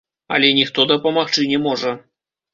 Але ніхто дапамагчы не можа.